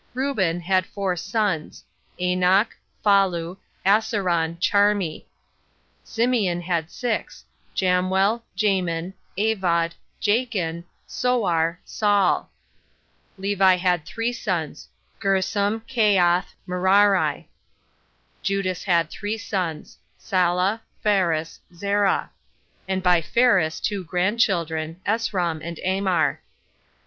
Reuben had four sons Anoch, Phallu, Assaron, Charmi. Simeon had six Jamuel, Jamin, Avod, Jachin, Soar, Saul. Levi had three sons Gersom, Caath, Merari. Judas had three sons Sala, Phares, Zerah; and by Phares two grandchildren, Esrom and Amar.